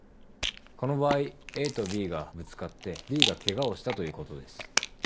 この場合ＡとＢがぶつかってＢがケガをしたということです。